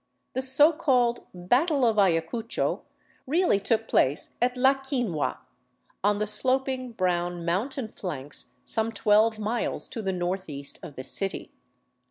The so called " Battle of Ayacucho " reall] took place at La Quinua, on the sloping brown mountain flanks som< twelve miles to the northeast of the city.